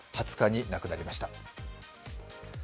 ２０日に亡くなりました。